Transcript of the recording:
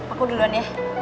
aku duluan ya